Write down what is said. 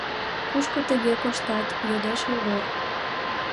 — Кушко тыге коштат? — йодеш Йогор.